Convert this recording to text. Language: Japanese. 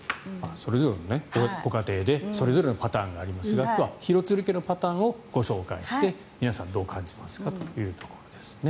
それぞれのご家庭でそれぞれのパターンがありますが今日は廣津留家のパターンをご紹介して皆さん、どう感じますかというところです。